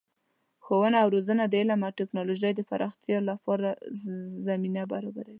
ښوونه او روزنه د علم او تکنالوژۍ د پراختیا لپاره زمینه برابروي.